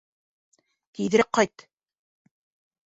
Тиҙерәк ҡайт!